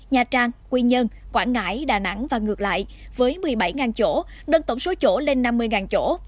nha trang quy nhơn quảng ngãi đà nẵng và ngược lại với một mươi bảy chỗ đơn tổng số chỗ lên năm mươi chỗ